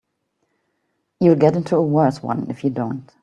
You'll get into a worse one if you don't.